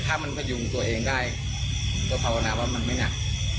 ถ้ามันพยุงตัวเองได้ก็ภาวนาว่ามันไม่หนัก